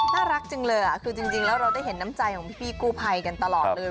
น่ารักจังเลยคือจริงแล้วเราได้เห็นน้ำใจของพี่กู้ภัยกันตลอดเลย